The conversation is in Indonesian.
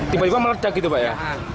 tiba tiba meledak gitu pak ya